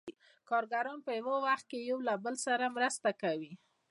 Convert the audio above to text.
کارګران په یو وخت کې یو له بل سره مرسته کوي